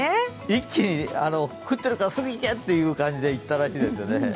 一気に、降っているからすぐ行け！という感じで行ったらしいですね。